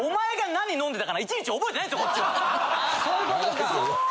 ・そういうことか！